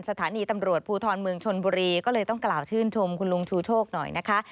สถานีตำรวจภูทรเมืองชนบุรีก็เลยต้องกล่าวชื่นชมคุณลุงชูโชคหน่อยนะคะ